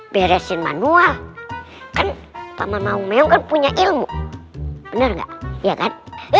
beresin manual kan paman mau meong punya ilmu bener nggak ya kan